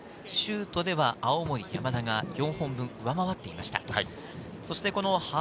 シュートでは青森山田が４本分上回っていました。